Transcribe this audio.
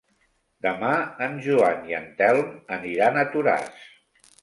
Demà en Joan i en Telm aniran a Toràs.